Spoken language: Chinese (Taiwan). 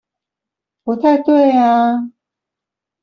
不太對啊！